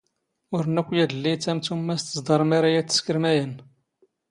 ⵓⵔ ⵏⵏ ⴰⴽⴽⵯ ⵢⴰⴷⵍⵍⵉ ⵉⵜⴰⵎ ⵜⵓⵎ ⵎⴰⵙ ⵜⵥⴹⴰⵕ ⵎⴰⵔⵉ ⴰⴷ ⵜⵙⴽⵔ ⵎⴰⵢⴰⵏⵏ.